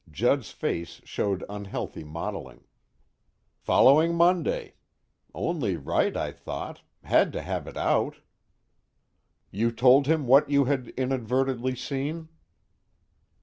Judd's face showed unhealthy mottling. "Following Monday. Only right, I thought had to have it out." "You told him what you had inadvertently seen?"